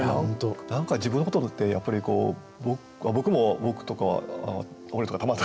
何か自分のことってやっぱりこう僕も「僕」とか「俺」とかたまに。使い分けますよね。